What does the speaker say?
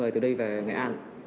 từ đây về nghệ an